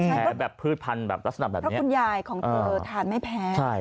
แพ้แบบพืชพันธุ์แบบลักษณะแบบนี้เพราะคุณยายของเธอทานไม่แพ้